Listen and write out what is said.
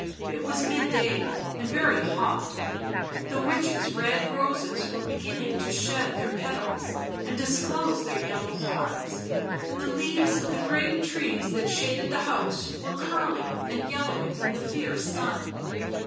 It was midday and very hot ; the witch's red roses were beginning to shed their petals and dis close their yellow hearts, and the leaves of the great trees that shaded the house were curling and yellowing in the fierce sun.